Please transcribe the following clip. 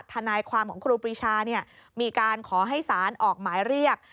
ทนายความของครูปรีชามีการขอให้สารออกหมายเรียก